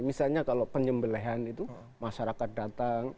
misalnya penyembelahan itu masyarakat datang